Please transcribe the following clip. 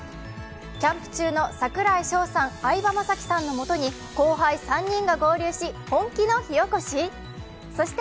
キャンプ中の櫻井翔さん、相葉雅紀さんのもとに後輩３人が合流し、本気の火おこし？